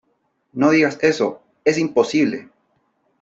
no digas eso ...¡ es imposible !